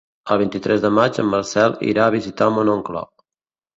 El vint-i-tres de maig en Marcel irà a visitar mon oncle.